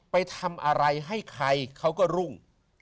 ไปทำอะไรให้ใครเขาก็รุ่ง